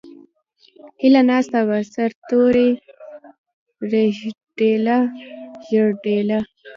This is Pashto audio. ھیلہ ناستہ وہ سر توریی ژڑیدلہ، ژڑیدلہ